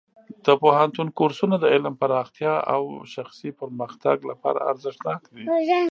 د پوهنتون کورسونه د علم پراختیا او شخصي پرمختګ لپاره ارزښتناک دي.